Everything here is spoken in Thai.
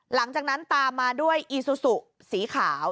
หลังจากนั้นตามมาด้วยอีซูซูสีขาว